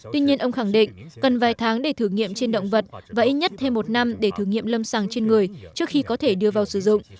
tuy nhiên ông khẳng định cần vài tháng để thử nghiệm trên động vật và ít nhất thêm một năm để thử nghiệm lâm sàng trên người trước khi có thể đưa vào sử dụng